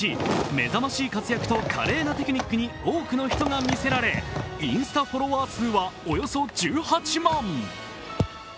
めざましい活躍と華麗なテクニックに多くの人がみせられ、インスタフォロワー数はおよそ１８万。